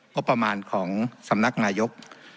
งบประมาณของสำนักนายก